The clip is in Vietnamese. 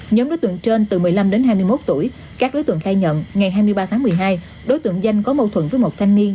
nhóm đối tượng trên từ một mươi năm đến hai mươi một tuổi các đối tượng khai nhận ngày hai mươi ba tháng một mươi hai đối tượng danh có mâu thuẫn với một thanh niên